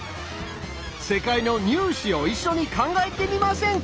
世界の入試を一緒に考えてみませんか？